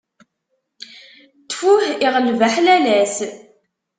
Ttfuh iɣleb aḥlalas.